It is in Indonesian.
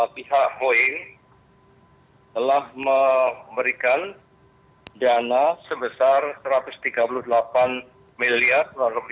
pihak boeing telah memberikan dana sebesar rp satu ratus tiga puluh delapan miliar